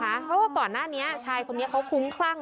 เพราะว่าก่อนหน้านี้ชายคนนี้เขาคุ้มคลั่ง